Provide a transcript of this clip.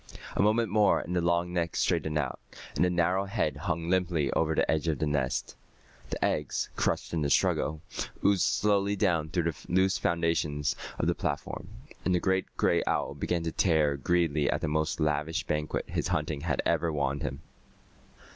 A moment more and the long neck straightened out, and the narrow head hung limply over the edge of the nest. The eggs, crushed in the struggle, oozed slowly down through the loose foundations of the platform, and the great gray owl began to tear greedily at the most lavish banquet his hunting had ever won him.